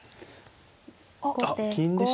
あっ銀でしたか。